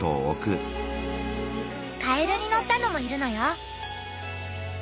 カエルに乗ったのもいるのよ。